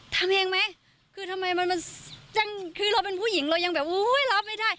ทำเองไหมคือทำไมมันจังคือเราเป็นผู้หญิงเรายังแบบอุ้ยรับไม่ได้